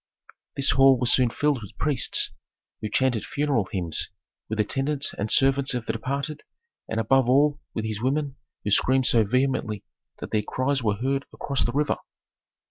This hall was soon filled with priests, who chanted funeral hymns, with attendants and servants of the departed, and above all with his women, who screamed so vehemently that their cries were heard across the river.